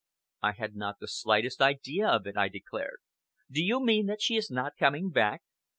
"I had not the slightest idea of it," I declared. "Do you mean that she is not coming back?"